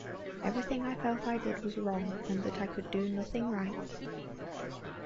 Everything I felt I did was wrong and that I could do nothing right.